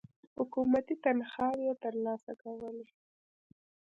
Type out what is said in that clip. حکومتي تنخواوې تر لاسه کولې.